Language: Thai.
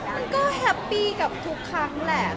มันก็แฮปปี้กับทุกครั้งแหละ